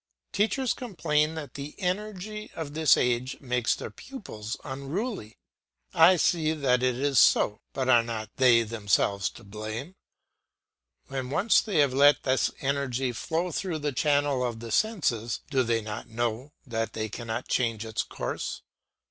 Teachers complain that the energy of this age makes their pupils unruly; I see that it is so, but are not they themselves to blame? When once they have let this energy flow through the channel of the senses, do they not know that they cannot change its course?